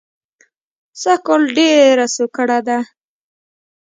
سږ کال ډېره سوکړه ده